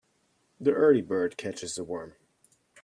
The early bird catches the worm.